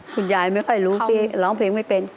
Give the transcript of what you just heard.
คุณยายไม่ค่อยรู้ที่ร้องเพลงไม่เป็น